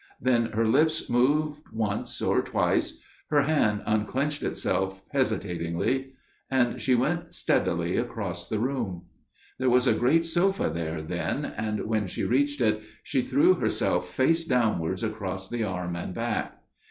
Then her lips moved once or twice––her hand unclenched itself hesitatingly––and she went steadily across the room. There was a great sofa there then, and when she reached it she threw herself face downwards across the arm and back.